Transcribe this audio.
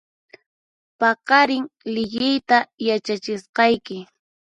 Paqarin liyiyta yachachisqayki